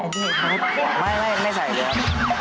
ไม่เขินหไม่ใส่เลยครับ